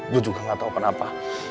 gue juga gak tahu kenapa